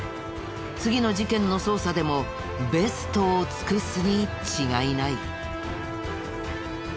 次の事件の捜査でもベストを尽くすに違いない。